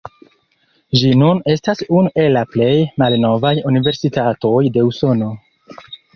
Ĝi nun estas unu el la plej malnovaj universitatoj de Usono.